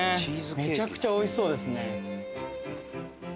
めちゃくちゃおいしそうですね。